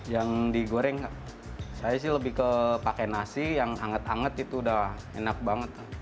yang digoreng saya sih lebih ke pakai nasi yang hangat hangat itu udah enak banget